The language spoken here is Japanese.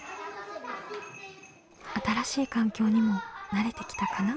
新しい環境にも慣れてきたかな？